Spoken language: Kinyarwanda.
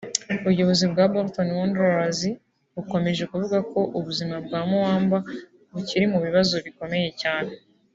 ubuyobozi bwa Bolton Wanderers bukomeje kuvuga ko ubizima bwa Muamba bukiri mu bibazo bikomeye cyane